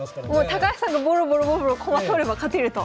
高橋さんがボロボロボロボロ駒取れば勝てると。